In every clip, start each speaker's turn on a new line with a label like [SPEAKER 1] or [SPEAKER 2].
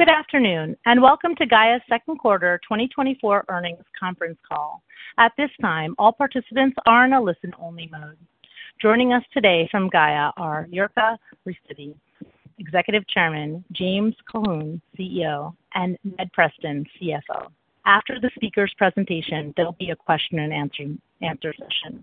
[SPEAKER 1] Good afternoon, and welcome to Gaia's second quarter 2024 earnings conference call. At this time, all participants are in a listen-only mode. Joining us today from Gaia are Jirka Rysavy, Executive Chairman, James Colquhoun, CEO, and Ned Preston, CFO. After the speakers' presentations, there will be a question-and-answer session.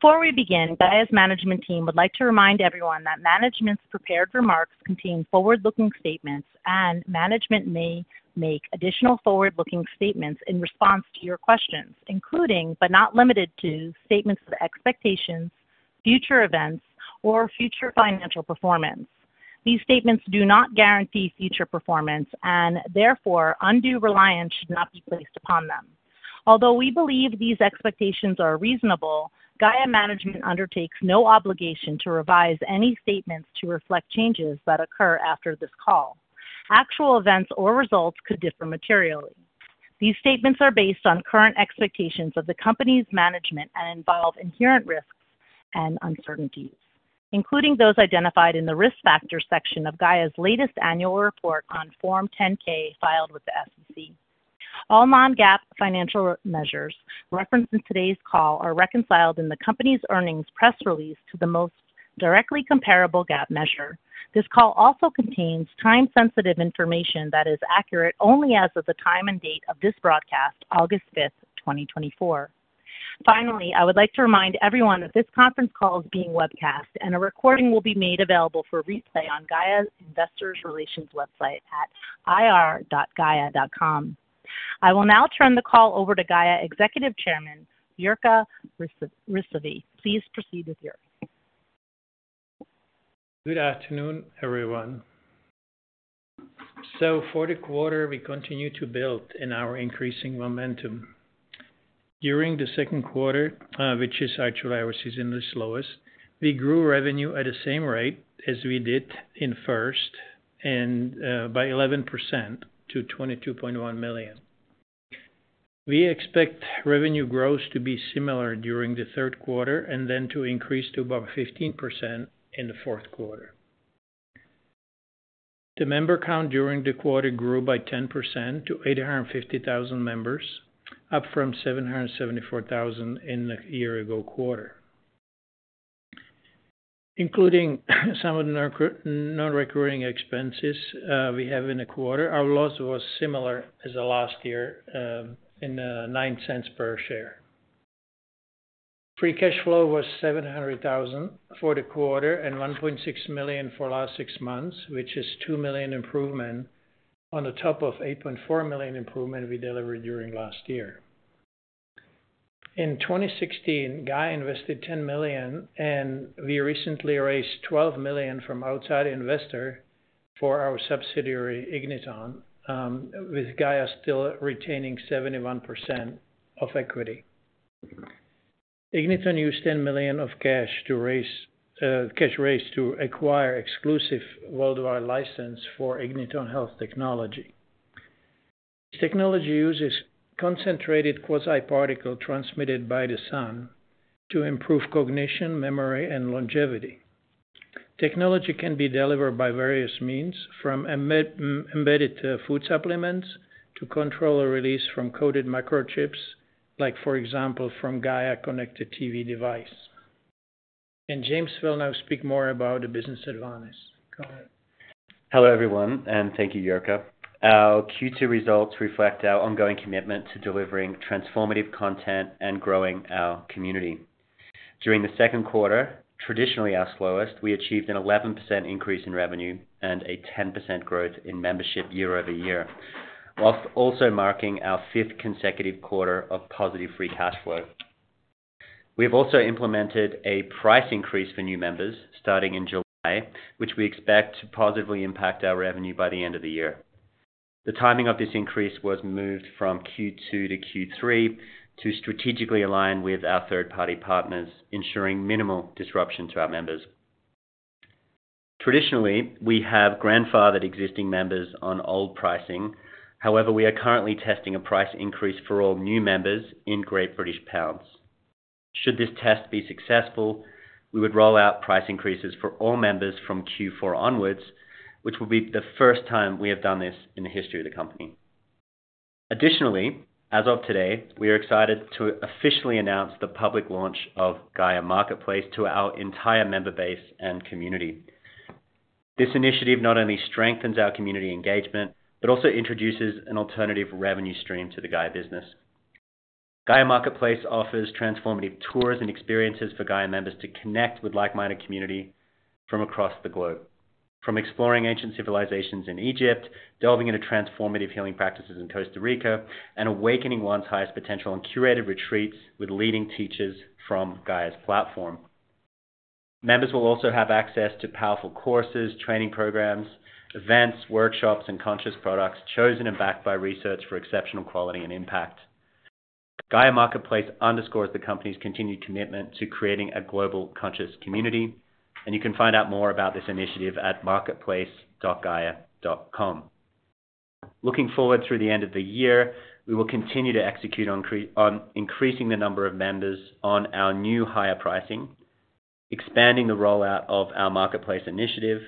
[SPEAKER 1] Before we begin, Gaia's management team would like to remind everyone that management's prepared remarks contain forward-looking statements, and management may make additional forward-looking statements in response to your questions, including, but not limited to, statements of expectations, future events, or future financial performance. These statements do not guarantee future performance, and therefore, undue reliance should not be placed upon them. Although we believe these expectations are reasonable, Gaia management undertakes no obligation to revise any statements to reflect changes that occur after this call. Actual events or results could differ materially. These statements are based on current expectations of the company's management and involve inherent risks and uncertainties, including those identified in the risk factors section of Gaia's latest annual report on Form 10-K filed with the SEC. All non-GAAP financial measures referenced in today's call are reconciled in the company's earnings press release to the most directly comparable GAAP measure. This call also contains time-sensitive information that is accurate only as of the time and date of this broadcast, August 5th, 2024. Finally, I would like to remind everyone that this conference call is being webcast, and a recording will be made available for replay on Gaia's Investor Relations website at ir.gaia.com. I will now turn the call over to Gaia Executive Chairman, Jirka Rysavy. Please proceed with yours.
[SPEAKER 2] Good afternoon, everyone. So, for the quarter, we continue to build in our increasing momentum. During the second quarter, which is actually our season's lowest, we grew revenue at the same rate as we did in first, and by 11% to $22.1 million. We expect revenue growth to be similar during the third quarter and then to increase to about 15% in the fourth quarter. The member count during the quarter grew by 10% to 850,000 members, up from 774,000 in the year-ago quarter. Including some of the non-recurring expenses we have in the quarter, our loss was similar as last year, at $0.09 per share. Free cash flow was $700,000 for the quarter and $1.6 million for the last six months, which is $2 million improvement on the top of $8.4 million improvement we delivered during last year. In 2016, Gaia invested $10 million, and we recently raised $12 million from outside investors for our subsidiary, Igniton, with Gaia still retaining 71% of equity. Igniton used $10 million of cash to acquire exclusive worldwide license for Igniton Health Technology. This technology uses concentrated quasi-particles transmitted by the sun to improve cognition, memory, and longevity. Technology can be delivered by various means, from embedded food supplements to controlled release from coated microchips, like, for example, from Gaia connected TV device. James will now speak more about the business advantage.
[SPEAKER 3] Hello, everyone, and thank you, Jirka. Our Q2 results reflect our ongoing commitment to delivering transformative content and growing our community. During the second quarter, traditionally our slowest, we achieved an 11% increase in revenue and a 10% growth in membership year-over-year, while also marking our fifth consecutive quarter of positive free cash flow. We have also implemented a price increase for new members starting in July, which we expect to positively impact our revenue by the end of the year. The timing of this increase was moved from Q2 to Q3 to strategically align with our third-party partners, ensuring minimal disruption to our members. Traditionally, we have grandfathered existing members on old pricing. However, we are currently testing a price increase for all new members in Great British pounds. Should this test be successful, we would roll out price increases for all members from Q4 onwards, which will be the first time we have done this in the history of the company. Additionally, as of today, we are excited to officially announce the public launch of Gaia Marketplace to our entire member base and community. This initiative not only strengthens our community engagement, but also introduces an alternative revenue stream to the Gaia business. Gaia Marketplace offers transformative tours and experiences for Gaia members to connect with like-minded community from across the globe, from exploring ancient civilizations in Egypt, delving into transformative healing practices in Costa Rica, and awakening one's highest potential on curated retreats with leading teachers from Gaia's platform. Members will also have access to powerful courses, training programs, events, workshops, and conscious products chosen and backed by research for exceptional quality and impact. Gaia Marketplace underscores the company's continued commitment to creating a global conscious community, and you can find out more about this initiative at marketplace.gaia.com. Looking forward through the end of the year, we will continue to execute on increasing the number of members on our new higher pricing, expanding the rollout of our Marketplace initiative,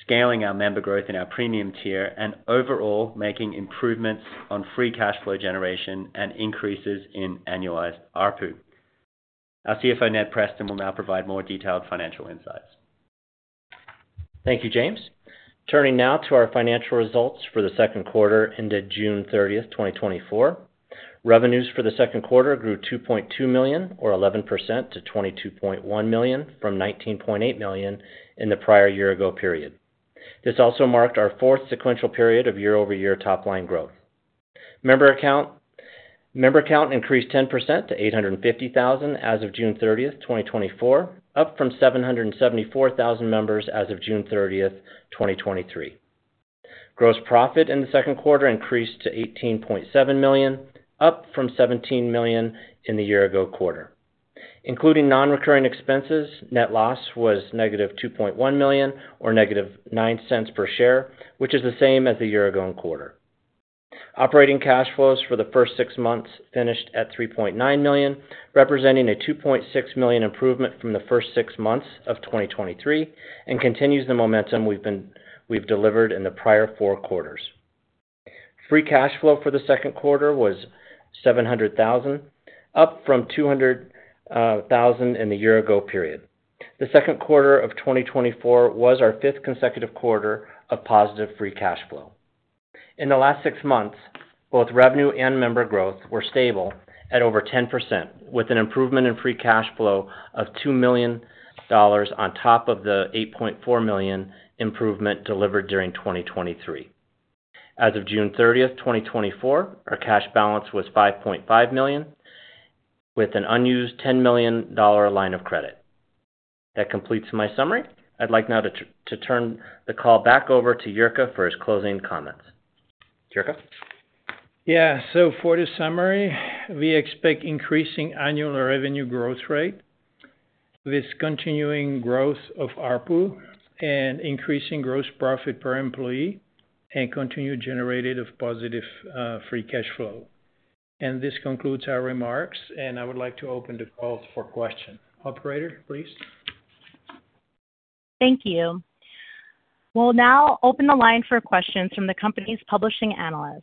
[SPEAKER 3] scaling our member growth in our premium tier, and overall making improvements on free cash flow generation and increases in annualized ARPU. Our CFO, Ned Preston, will now provide more detailed financial insights.
[SPEAKER 4] Thank you, James. Turning now to our financial results for the second quarter ended June 30th, 2024. Revenues for the second quarter grew $2.2 million, or 11% to $22.1 million, from $19.8 million in the prior year-ago period. This also marked our fourth sequential period of year-over-year top-line growth. Member accounts increased 10% to 850,000 as of June 30th, 2024, up from 774,000 members as of June 30th, 2023. Gross profit in the second quarter increased to $18.7 million, up from $17 million in the year-ago quarter. Including non-recurring expenses, net loss was -$2.1 million, or -$0.09 per share, which is the same as the year-ago quarter. Operating cash flows for the first six months finished at $3.9 million, representing a $2.6 million improvement from the first six months of 2023, and continues the momentum we've delivered in the prior four quarters. Free cash flow for the second quarter was $700,000, up from $200,000 in the year-ago period. The second quarter of 2024 was our fifth consecutive quarter of positive free cash flow. In the last six months, both revenue and member growth were stable at over 10%, with an improvement in free cash flow of $2 million on top of the $8.4 million improvement delivered during 2023. As of June 30th, 2024, our cash balance was $5.5 million, with an unused $10 million line of credit. That completes my summary. I'd like now to turn the call back over to Jirka for his closing comments. Jirka?
[SPEAKER 2] Yeah. So, for the summary, we expect increasing annual revenue growth rate with continuing growth of ARPU and increasing gross profit per employee and continued generation of positive free cash flow. And this concludes our remarks, and I would like to open the call for questions. Operator, please.
[SPEAKER 1] Thank you. We'll now open the line for questions from the company's participating analysts.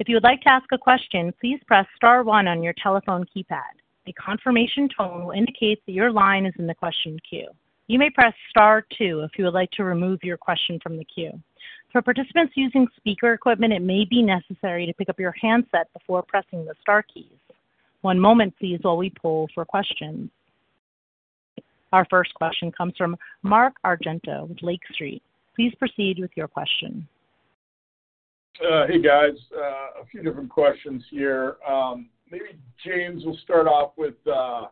[SPEAKER 1] If you would like to ask a question, please press star one on your telephone keypad. A confirmation tone will indicate that your line is in the question queue. You may press star two if you would like to remove your question from the queue. For participants using speaker equipment, it may be necessary to pick up your handset before pressing the star keys. One moment, please, while we poll for questions. Our first question comes from Mark Argento with Lake Street Capital Markets. Please proceed with your question.
[SPEAKER 5] Hey, guys. A few different questions here. Maybe James will start off with the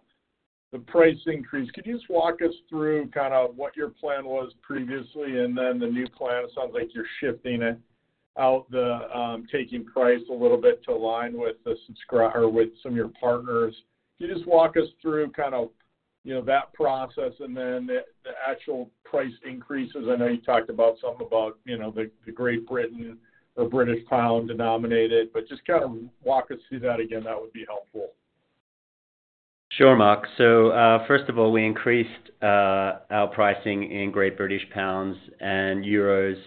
[SPEAKER 5] price increase. Could you just walk us through kind of what your plan was previously and then the new plan? It sounds like you're shifting out the taking price a little bit to align with some of your partners. Could you just walk us through kind of that process and then the actual price increases? I know you talked about some about the Great Britain or British Pound denominated, but just kind of walk us through that again. That would be helpful.
[SPEAKER 3] Sure, Mark. So, first of all, we increased our pricing in Great British pounds and euros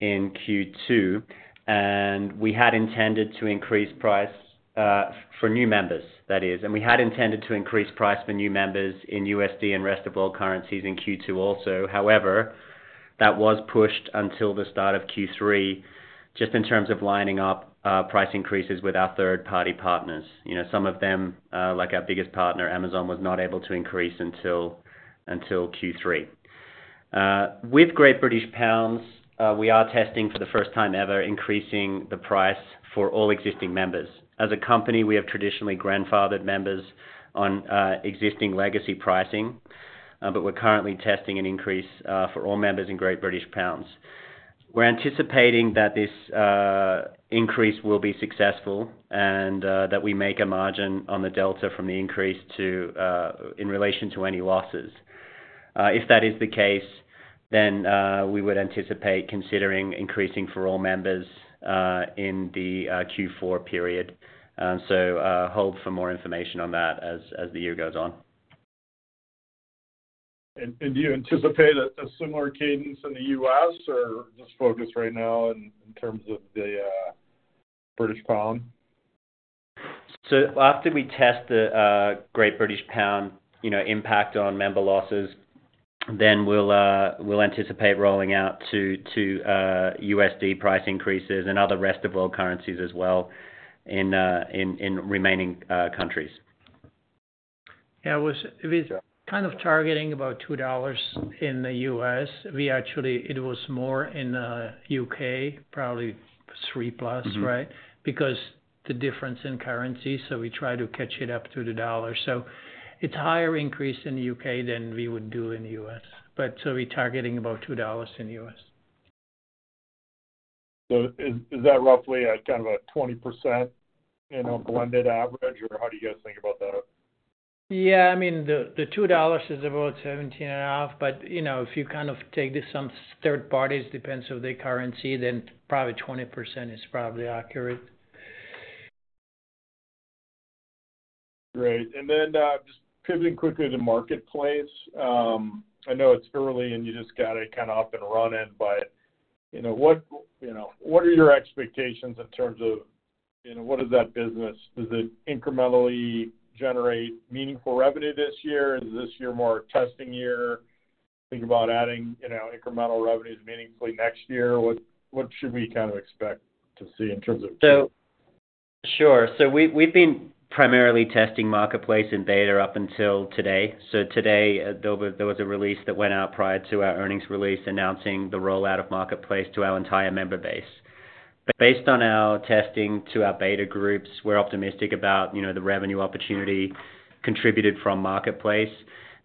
[SPEAKER 3] in Q2, and we had intended to increase price for new members, that is. And we had intended to increase price for new members in USD and rest of world currencies in Q2 also. However, that was pushed until the start of Q3, just in terms of lining up price increases with our third-party partners. Some of them, like our biggest partner, Amazon, was not able to increase until Q3. With Great British pounds, we are testing for the first time ever increasing the price for all existing members. As a company, we have traditionally grandfathered members on existing legacy pricing, but we're currently testing an increase for all members in Great British pounds. We're anticipating that this increase will be successful and that we make a margin on the delta from the increase in relation to any losses. If that is the case, then we would anticipate considering increasing for all members in the Q4 period. So, hold for more information on that as the year goes on.
[SPEAKER 5] Do you anticipate a similar cadence in the U.S., or just focus right now in terms of the British Pound?
[SPEAKER 3] After we test the Great British pound impact on member losses, then we'll anticipate rolling out to USD price increases and other rest of world currencies as well in remaining countries.
[SPEAKER 2] Yeah. With kind of targeting about $2 in the U.S., it was more in the U.K., probably 3+, right? Because the difference in currency, so we try to catch it up to the dollar. So, it's a higher increase in the U.K. than we would do in the U.S. But, so we're targeting about $2 in the U.S.
[SPEAKER 5] Is that roughly kind of a 20% blended average, or how do you guys think about that?
[SPEAKER 2] Yeah. I mean, the $2 is about 17.5%, but if you kind of take this some third parties, depends on their currency, then probably 20% is probably accurate.
[SPEAKER 5] Great. And then just pivoting quickly to Marketplace. I know it's early and you just got to kind of up and running, but what are your expectations in terms of what does that business? Does it incrementally generate meaningful revenue this year? Is this year more a testing year? Think about adding incremental revenues meaningfully next year. What should we kind of expect to see in terms of?
[SPEAKER 3] Sure. So, we've been primarily testing Marketplace and beta up until today. So, today, there was a release that went out prior to our earnings release announcing the rollout of Marketplace to our entire member base. Based on our testing to our beta groups, we're optimistic about the revenue opportunity contributed from Marketplace.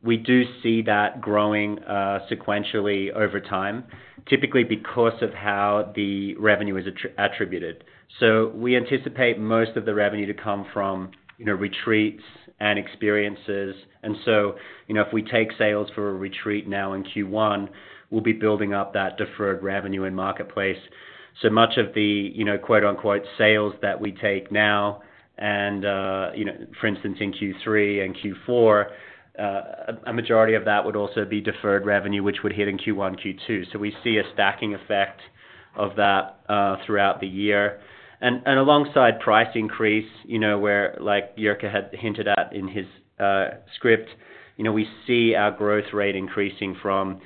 [SPEAKER 3] We do see that growing sequentially over time, typically because of how the revenue is attributed. So, we anticipate most of the revenue to come from retreats and experiences. And so, if we take sales for a retreat now in Q1, we'll be building up that deferred revenue in Marketplace. So, much of the "sales" that we take now, and for instance, in Q3 and Q4, a majority of that would also be deferred revenue, which would hit in Q1, Q2. So, we see a stacking effect of that throughout the year. Alongside price increase, where, like Jirka had hinted at in his script, we see our growth rate increasing from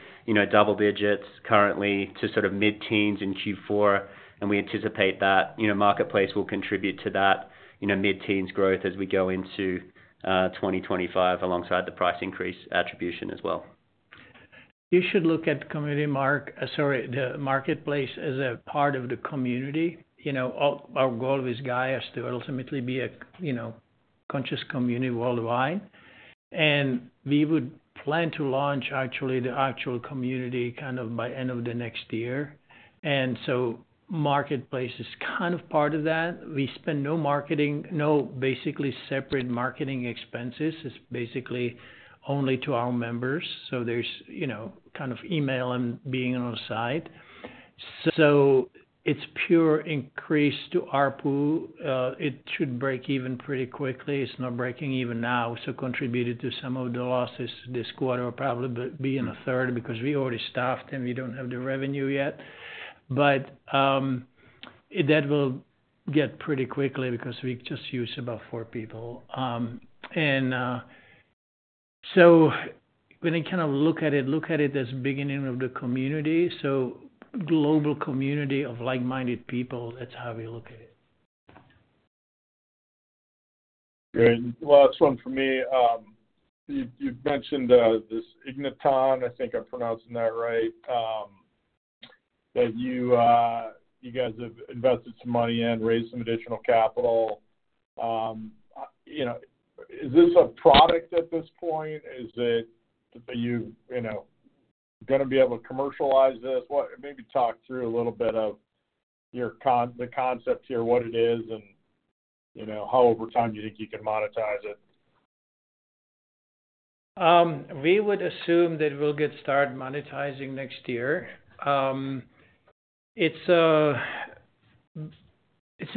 [SPEAKER 3] double digits currently to sort of mid-teens in Q4, and we anticipate that Marketplace will contribute to that mid-teens growth as we go into 2025 alongside the price increase attribution as well.
[SPEAKER 2] You should look at community Marketplace as a part of the community. Our goal with Gaia is to ultimately be a conscious community worldwide. And we would plan to launch actually the actual community kind of by end of the next year. And so, Marketplace is kind of part of that. We spend no basically separate marketing expenses. It's basically only to our members. So, there's kind of email and being on site. So, it's pure increase to ARPU. It should break even pretty quickly. It's not breaking even now, so contributed to some of the losses this quarter. Will probably be in a third because we already stopped and we don't have the revenue yet. But that will get pretty quickly because we just use about four people. And so, when you kind of look at it, look at it as beginning of the community. So, global community of like-minded people, that's how we look at it.
[SPEAKER 5] Great. Last one for me. You've mentioned this Igniton, I think I'm pronouncing that right, that you guys have invested some money in, raised some additional capital. Is this a product at this point? Is it that you're going to be able to commercialize this? Maybe talk through a little bit of the concept here, what it is, and how over time you think you can monetize it.
[SPEAKER 2] We would assume that we'll get started monetizing next year. It's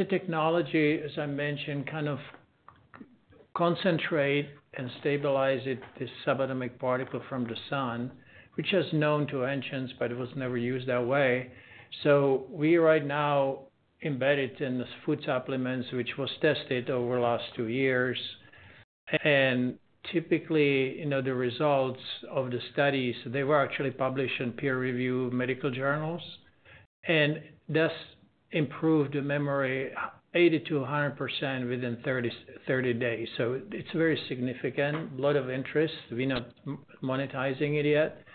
[SPEAKER 2] a technology, as I mentioned, kind of concentrate and stabilize this quasi-particle from the sun, which is known to ancients, but it was never used that way. So, we are right now embedded in this food supplements, which was tested over the last 2 years. And typically, the results of the studies, they were actually published in peer-reviewed medical journals. And this improved the memory 80%-100% within 30 days. So, it's very significant, a lot of interest. We're not monetizing it yet.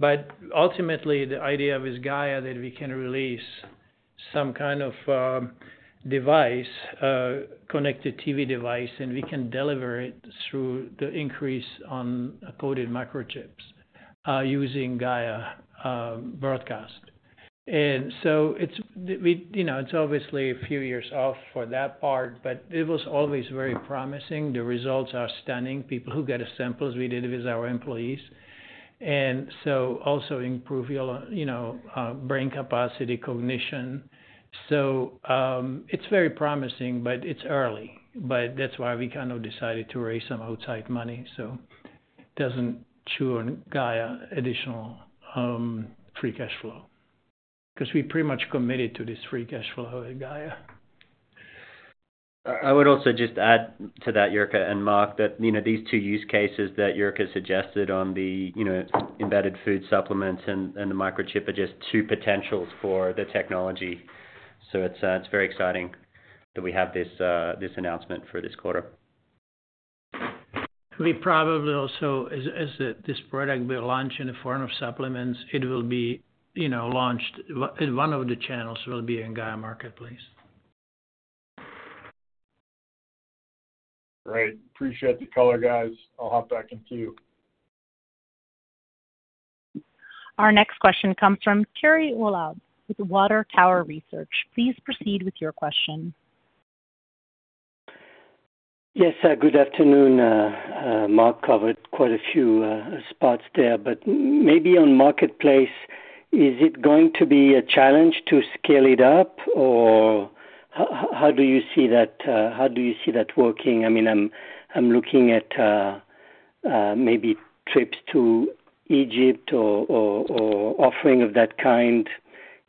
[SPEAKER 2] But ultimately, the idea is for Gaia that we can release some kind of device, connected TV device, and we can deliver it through the ingestion of coated microchips using Gaia broadcast. And so, it's obviously a few years off for that part, but it was always very promising. The results are stunning. People who get the samples, we did it with our employees, and so also improve brain capacity, cognition. So, it's very promising, but it's early. But that's why we kind of decided to raise some outside money. So, it doesn't chew on Gaia's additional free cash flow because we pretty much committed to this free cash flow with Gaia.
[SPEAKER 3] I would also just add to that, Jirka and Mark, that these two use cases that Jirka suggested on the embedded food supplements and the microchip are just two potentials for the technology. So, it's very exciting that we have this announcement for this quarter.
[SPEAKER 2] We probably also, as this product will launch in the form of supplements, it will be launched at one of the channels will be in Gaia Marketplace.
[SPEAKER 5] Great. Appreciate the call, guys. I'll hop back in to you.
[SPEAKER 1] Our next question comes from Thierry Wuilloud with Water Tower Research. Please proceed with your question.
[SPEAKER 6] Yes. Good afternoon. Mark covered quite a few spots there, but maybe on Marketplace, is it going to be a challenge to scale it up, or how do you see that? How do you see that working? I mean, I'm looking at maybe trips to Egypt or offering of that kind.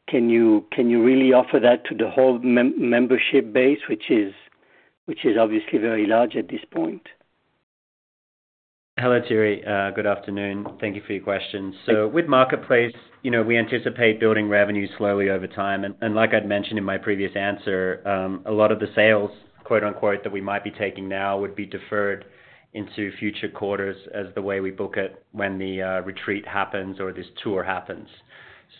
[SPEAKER 6] Can you really offer that to the whole membership base, which is obviously very large at this point?
[SPEAKER 3] Hello, Thierry. Good afternoon. Thank you for your question. So, with Marketplace, we anticipate building revenue slowly over time. And like I'd mentioned in my previous answer, a lot of the sales "that we might be taking now" would be deferred into future quarters as the way we book it when the retreat happens or this tour happens.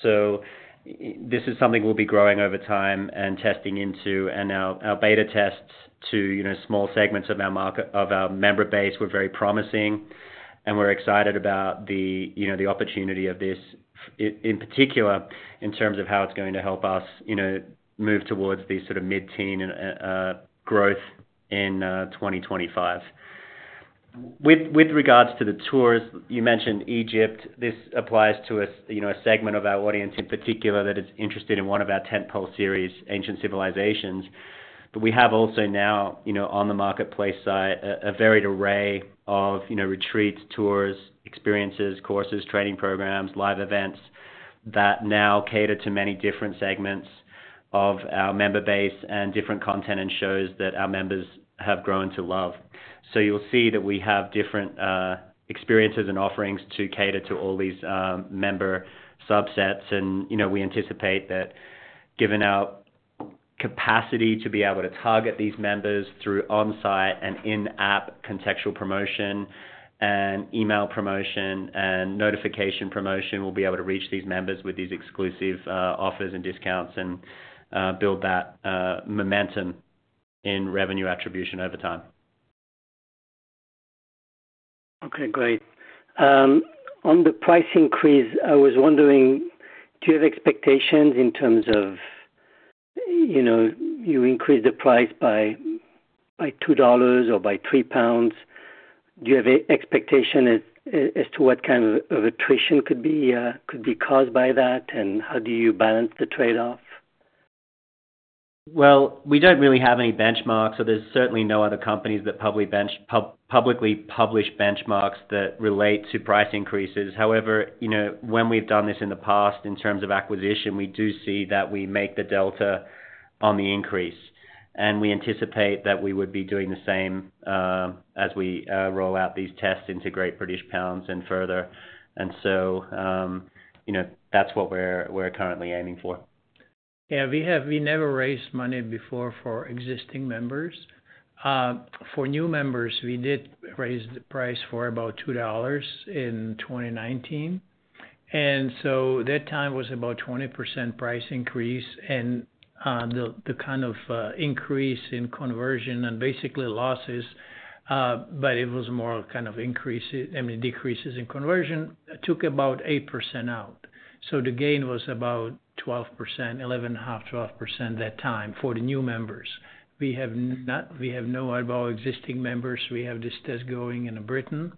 [SPEAKER 3] So, this is something we'll be growing over time and testing into. And our beta tests to small segments of our member base were very promising, and we're excited about the opportunity of this in particular in terms of how it's going to help us move towards these sort of mid-teen growth in 2025. With regards to the tours, you mentioned Egypt. This applies to a segment of our audience in particular that is interested in one of our tentpole series, Ancient Civilizations. But we have also now on the Marketplace side a varied array of retreats, tours, experiences, courses, training programs, live events that now cater to many different segments of our member base and different content and shows that our members have grown to love. So, you'll see that we have different experiences and offerings to cater to all these member subsets. And we anticipate that given our capacity to be able to target these members through onsite and in-app contextual promotion and email promotion and notification promotion, we'll be able to reach these members with these exclusive offers and discounts and build that momentum in revenue attribution over time.
[SPEAKER 6] Okay. Great. On the price increase, I was wondering, do you have expectations in terms of you increase the price by $2 or by 3 pounds? Do you have expectation as to what kind of attrition could be caused by that, and how do you balance the trade-off?
[SPEAKER 3] Well, we don't really have any benchmarks, so there's certainly no other companies that publicly publish benchmarks that relate to price increases. However, when we've done this in the past in terms of acquisition, we do see that we make the delta on the increase. And we anticipate that we would be doing the same as we roll out these tests into Great British pounds and further. And so, that's what we're currently aiming for.
[SPEAKER 2] Yeah. We never raised money before for existing members. For new members, we did raise the price for about $2 in 2019. So, that time was about 20% price increase. The kind of increase in conversion and basically losses, but it was more kind of decreases in conversion, took about 8% out. So, the gain was about 12%, 11.5%-12% that time for the new members. We have no other existing members. We have this test going in Britain,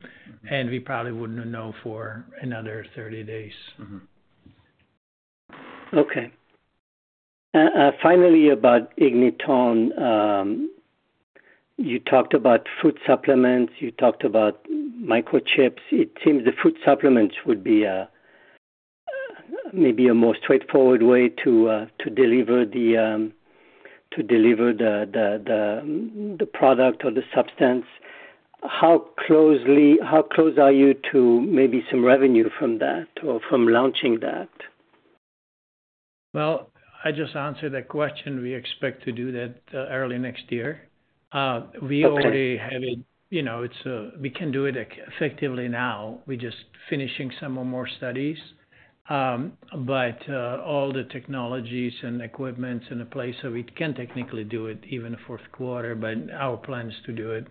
[SPEAKER 2] and we probably wouldn't know for another 30 days.
[SPEAKER 6] Okay. Finally, about Igniton, you talked about food supplements. You talked about microchips. It seems the food supplements would be maybe a more straightforward way to deliver the product or the substance. How close are you to maybe some revenue from that or from launching that?
[SPEAKER 2] Well, I just answered that question. We expect to do that early next year. We already have it. We can do it effectively now. We're just finishing some more studies. But all the technologies and equipment in a place of it can technically do it even the fourth quarter, but our plan is to do it.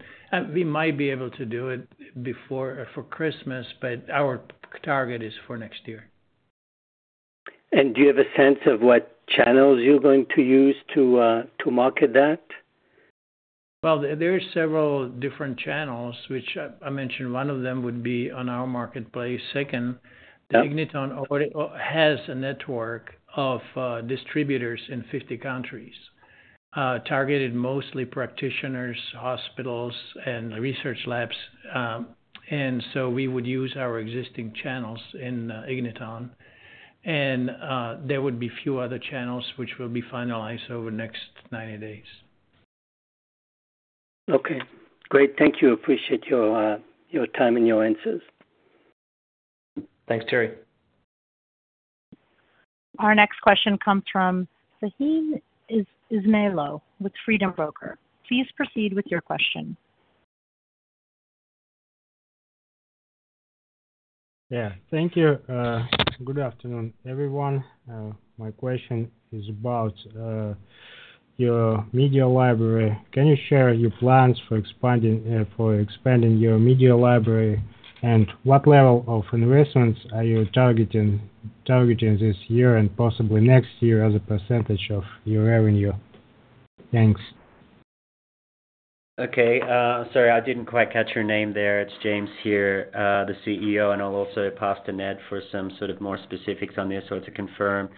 [SPEAKER 2] We might be able to do it before for Christmas, but our target is for next year.
[SPEAKER 6] And do you have a sense of what channels you're going to use to market that?
[SPEAKER 2] Well, there are several different channels, which I mentioned one of them would be on our Marketplace. Second, Igniton already has a network of distributors in 50 countries targeted mostly practitioners, hospitals, and research labs. And so, we would use our existing channels in Igniton. And there would be few other channels which will be finalized over the next 90 days.
[SPEAKER 6] Okay. Great. Thank you. Appreciate your time and your answers.
[SPEAKER 3] Thanks, Thierry.
[SPEAKER 1] Our next question comes from Shahin Ismayilov with Freedom Broker. Please proceed with your question.
[SPEAKER 7] Yeah. Thank you. Good afternoon, everyone. My question is about your media library. Can you share your plans for expanding your media library and what level of investments are you targeting this year and possibly next year as a percentage of your revenue? Thanks.
[SPEAKER 3] Okay. Sorry, I didn't quite catch your name there. It's James here, the CEO, and I'll also pass to Ned for some sort of more specifics on this or to confirm.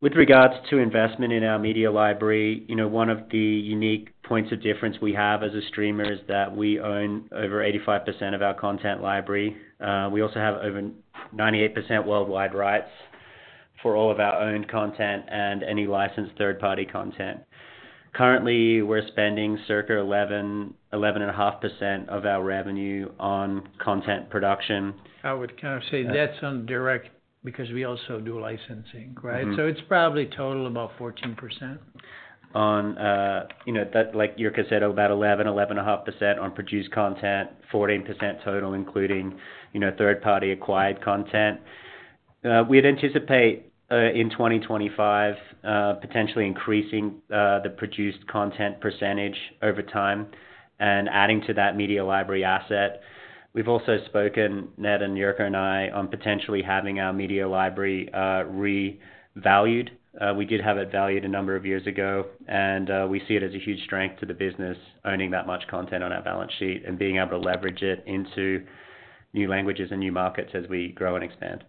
[SPEAKER 3] With regards to investment in our media library, one of the unique points of difference we have as a streamer is that we own over 85% of our content library. We also have over 98% worldwide rights for all of our owned content and any licensed third-party content. Currently, we're spending circa 11.5% of our revenue on content production.
[SPEAKER 2] I would kind of say that's on direct because we also do licensing, right? So it's probably total about 14%.
[SPEAKER 3] As, like Jirka said, about 11%-11.5% on produced content, 14% total including third-party acquired content. We'd anticipate in 2025 potentially increasing the produced content percentage over time and adding to that media library asset. We've also spoken, Ned and Jirka and I, on potentially having our media library revalued. We did have it valued a number of years ago, and we see it as a huge strength to the business owning that much content on our balance sheet and being able to leverage it into new languages and new markets as we grow and expand.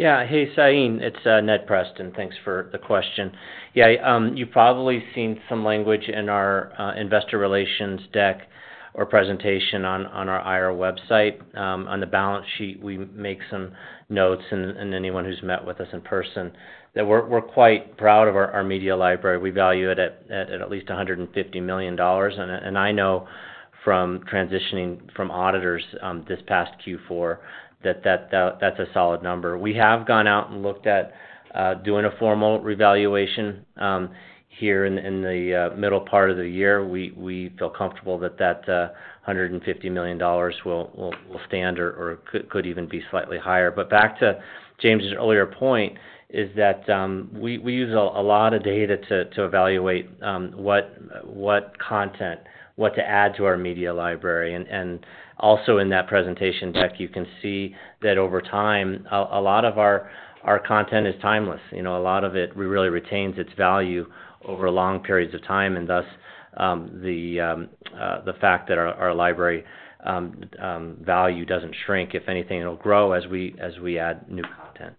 [SPEAKER 4] Yeah. Hey, Shahin, it's Ned Preston. Thanks for the question. Yeah. You've probably seen some language in our investor relations deck or presentation on our IR website. On the balance sheet, we make some notes, and anyone who's met with us in person, that we're quite proud of our media library. We value it at at least $150 million. And I know from transitioning from auditors this past Q4 that that's a solid number. We have gone out and looked at doing a formal revaluation here in the middle part of the year. We feel comfortable that that $150 million will stand or could even be slightly higher. But back to James's earlier point is that we use a lot of data to evaluate what content, what to add to our media library. And also in that presentation deck, you can see that over time, a lot of our content is timeless. A lot of it really retains its value over long periods of time. And thus, the fact that our library value doesn't shrink, if anything, it'll grow as we add new content.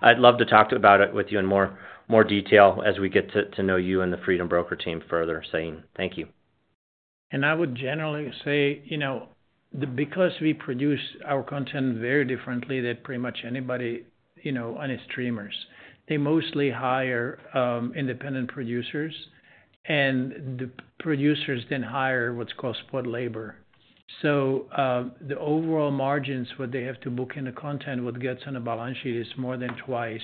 [SPEAKER 4] I'd love to talk about it with you in more detail as we get to know you and the Freedom Broker team further, Shahin. Thank you.
[SPEAKER 2] I would generally say because we produce our content very differently than pretty much anybody on streamers, they mostly hire independent producers, and the producers then hire what's called spot labor. So the overall margins what they have to book in the content what gets on a balance sheet is more than twice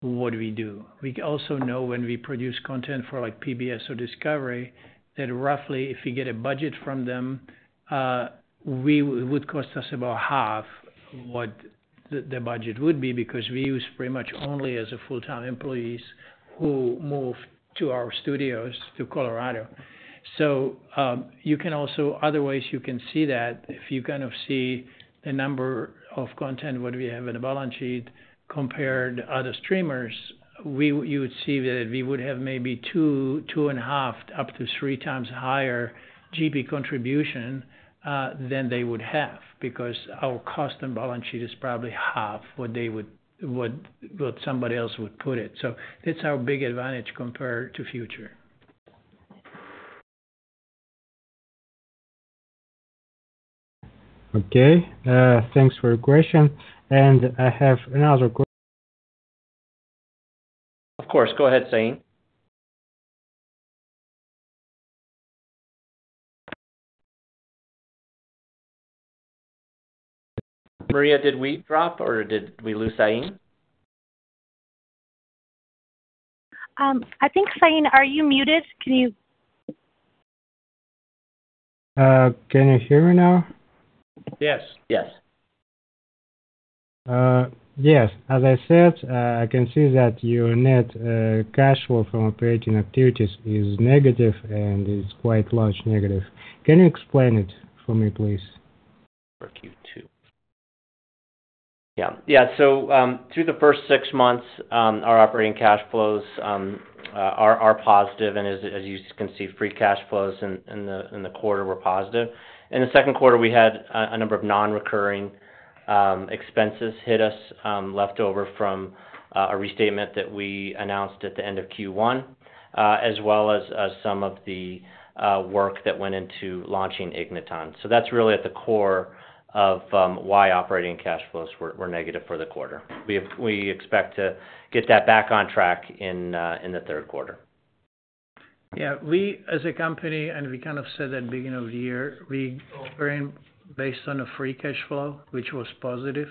[SPEAKER 2] what we do. We also know when we produce content for PBS or Discovery that roughly if you get a budget from them, it would cost us about half what the budget would be because we use pretty much only as a full-time employees who move to our studios to Colorado. You can also other ways you can see that if you kind of see the number of content what we have in the balance sheet compared to other streamers, you would see that we would have maybe 2.5x-3x higher GP contribution than they would have because our cost and balance sheet is probably half what somebody else would put it. That's our big advantage compared to future.
[SPEAKER 7] Okay. Thanks for your question. I have another question.
[SPEAKER 3] Of course. Go ahead, Shahin. Maria, did we drop or did we lose Shahin?
[SPEAKER 1] I think, Shahin, are you muted? Can you?
[SPEAKER 7] Can you hear me now?
[SPEAKER 3] Yes. Yes.
[SPEAKER 7] Yes. As I said, I can see that your net cash flow from operating activities is negative and is quite large negative. Can you explain it for me, please?
[SPEAKER 3] For Q2. Yeah. Yeah. So through the first six months, our operating cash flows are positive. As you can see, free cash flows in the quarter were positive. In the second quarter, we had a number of non-recurring expenses hit us leftover from a restatement that we announced at the end of Q1 as well as some of the work that went into launching Igniton. So that's really at the core of why operating cash flows were negative for the quarter. We expect to get that back on track in the third quarter.
[SPEAKER 2] Yeah. We as a company, and we kind of said at the beginning of the year, we operate based on a free cash flow, which was positive.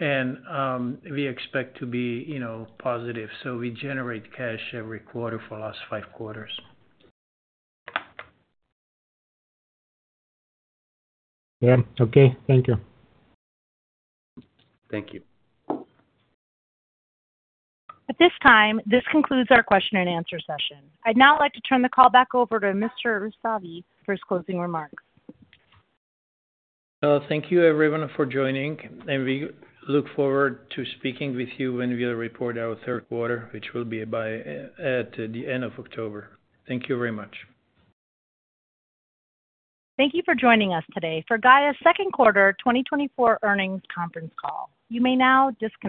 [SPEAKER 2] We expect to be positive. We generate cash every quarter for the last five quarters.
[SPEAKER 7] Yeah. Okay. Thank you.
[SPEAKER 3] Thank you.
[SPEAKER 1] At this time, this concludes our question and answer session. I'd now like to turn the call back over to Mr. Rysavy for his closing remarks.
[SPEAKER 2] Thank you, everyone, for joining. We look forward to speaking with you when we report our third quarter, which will be by the end of October. Thank you very much.
[SPEAKER 1] Thank you for joining us today for Gaia's second quarter 2024 earnings conference call. You may now disconnect.